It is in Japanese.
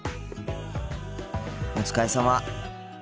お疲れさま。